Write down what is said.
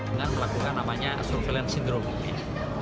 dengan melakukan namanya surveillance syndrome ya